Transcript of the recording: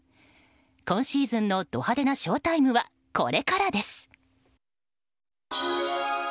今シーズンのド派手なショウタイムはこれからです。